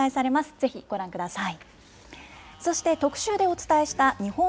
ぜひご覧ください。